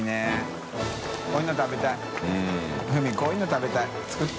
侫こういうの食べたい作って。